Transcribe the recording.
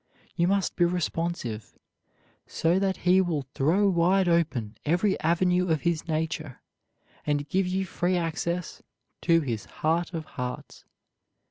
You must be responsive, so that he will throw wide open every avenue of his nature and give you free access to his heart of hearts.